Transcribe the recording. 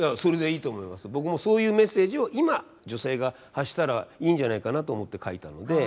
僕もそういうメッセージを今女性が発したらいいんじゃないかなと思って書いたので。